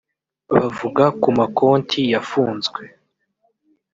Bavuga ku makonti yafunzwe